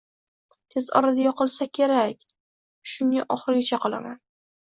Tez orada yopilsa kerak, shunga oxirigacha qolaman